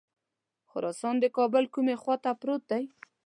خراسان د کابل کومې خواته پروت دی.